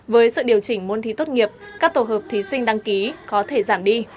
với sự điều chỉnh môn thi tốt nghiệp các tổ hợp thí sinh đăng ký có thể giảm đi